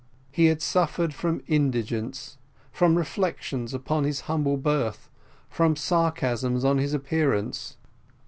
He had suffered from indigence, from reflections upon his humble birth, from sarcasms on his appearance.